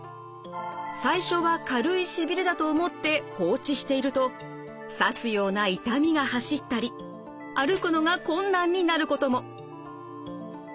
最初は軽いしびれだと思って放置していると刺すような痛みが走ったり歩くのが困難になることも。